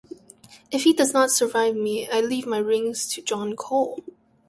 If he does not survive me, I leave my rings to John Cole.